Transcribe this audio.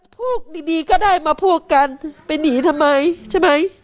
พูดดีก็ได้มาพูดกันไปหนีทำไมใช่ไหม